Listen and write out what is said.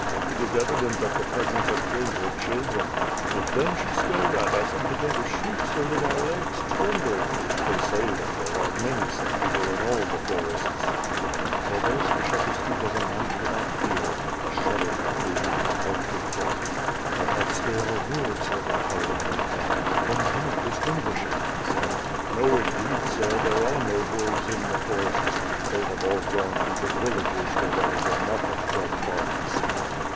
It is evident that the peasants have killed her children. And then she stared at us and began to shriek so that our legs trembled. They say that there are many such people in all the forests." Ai though Skshetuski was a knight without fear, a shudder went through him from head to foot. "Perhaps they are wolves that are howling like that. One cannot distinguish it," he said. "No indeed, sir, there are no wolves in the forests. They have all gone to the villages where there is enough of dead bodies."